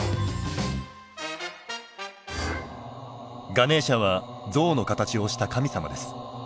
ガネーシャはゾウの形をした神様です。